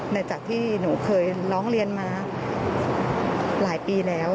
หลังจากที่หนูเคยร้องเรียนมาหลายปีแล้ว